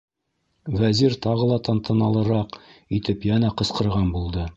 Вәзир тағы ла тантаналыраҡ итеп йәнә ҡысҡырған булды: